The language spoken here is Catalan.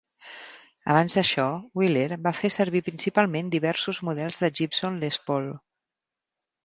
Abans d'això, Wheeler va fer servir principalment diversos models de Gibson Les Paul.